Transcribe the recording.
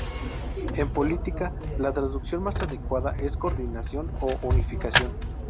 En política, la traducción más adecuada es coordinación o unificación.